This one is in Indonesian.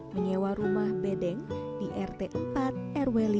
menyewa rumah bedeng di rt empat rw lima